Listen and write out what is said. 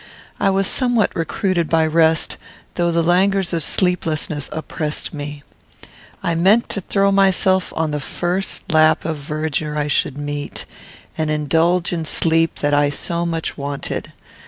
I was somewhat recruited by rest, though the languors of sleeplessness oppressed me. I meant to throw myself on the first lap of verdure I should meet, and indulge in sleep that I so much wanted.